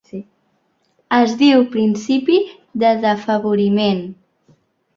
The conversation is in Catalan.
Es diu principi de d'afavoriment.